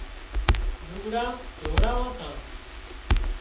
لگھڙان ڌوراوان سان